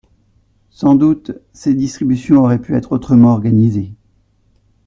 Sans doute, ces distributions auraient pu être autrement organisées.